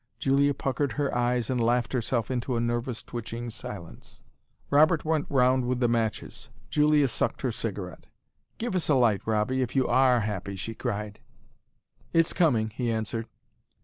Julia puckered her eyes and laughed herself into a nervous twitching silence. Robert went round with the matches. Julia sucked her cigarette. "Give us a light, Robbie, if you ARE happy!" she cried. "It's coming," he answered.